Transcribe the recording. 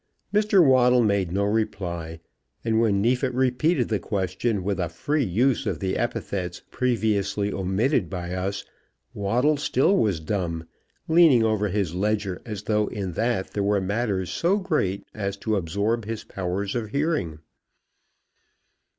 Mr. Waddle made no reply; and when Neefit repeated the question with a free use of the epithets previously omitted by us, Waddle still was dumb, leaning over his ledger as though in that there were matters so great as to absorb his powers of hearing.